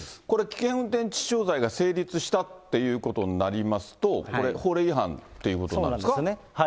これ、危険運転致死傷罪が成立したっていうことになりますと、これ、法令違反ということになるんですか？